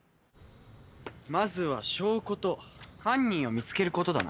「まずは証拠と犯人を見つけることだな」